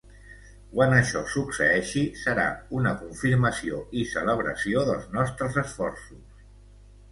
Quan això succeeixi, serà una confirmació i celebració dels nostres esforços.